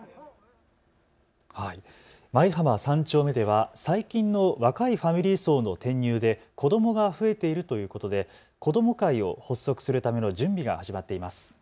舞浜３丁目では最近の若いファミリー層の転入で子どもが増えているということで子ども会を発足するための準備が始まっています。